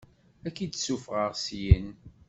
Ad k-id-ssuffɣeɣ syin.